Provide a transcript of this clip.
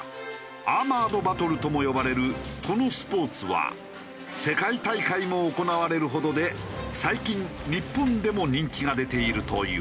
アーマードバトルとも呼ばれるこのスポーツは世界大会も行われるほどで最近日本でも人気が出ているという。